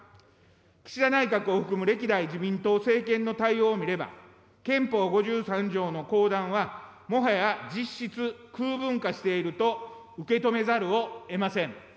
岸田内閣を含む歴代自民党政権の対応を見れば、憲法５３条の後段はもはや実質空文化していると受け止めざるをえません。